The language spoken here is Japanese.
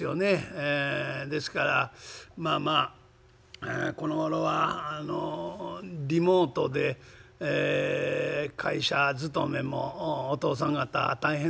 えですからまあまあこのごろはリモートで会社勤めもおとうさん方大変でございますですけどね